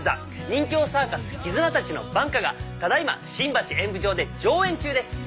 『任侠サーカスキズナたちの挽歌』がただ今新橋演舞場で上演中です。